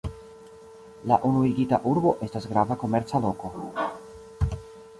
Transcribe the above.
La unuigita urbo estas grava komerca loko.